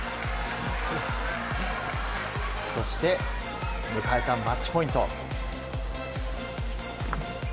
そして、迎えたマッチポイント。